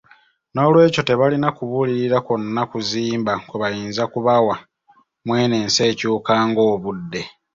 N'olwekyo tebalina kubuulirira kwonna kuzimba kwe bayinza kubawa mu eno ensi ekyuka ng'obudde.